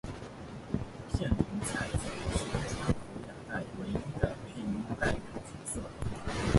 片桐彩子是川口雅代唯一的配音代表角色。